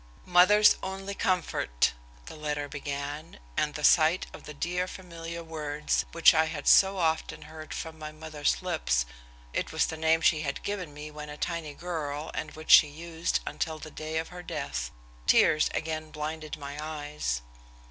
"Mother's Only Comfort," the letter began, and at the sight of the dear familiar words, which I had so often heard from my mother's lips it was the name she had given me when a tiny girl, and which she used until the day of her death tears again blinded my eyes.